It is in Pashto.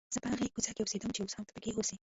زه په هغې کوڅې کې اوسېدم چې اوس هم ته پکې اوسې.